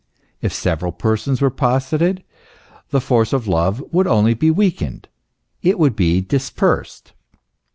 If several Persons were posited, the force of love would only be weakened it would be dispersed.